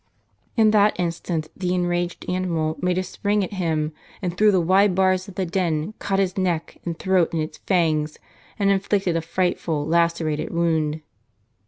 In that instant, the enraged animal made a spring at him, and through the wide bars of the den, caught his neck and throat in its fangs, and inflicted a frightful lacerated wound.